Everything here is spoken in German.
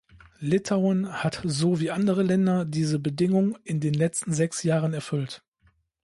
Litauen hat so wie andere Länder diese Bedingung in den letzten sechs Jahren erfüllt.